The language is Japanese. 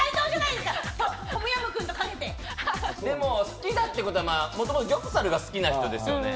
好きだってことはもともとギョプサルが好きな人ですよね。